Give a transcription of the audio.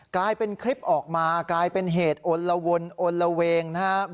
กลายเป็นคลิปออกมากลายเป็นเหตุอลละวนอนละเวงนะครับ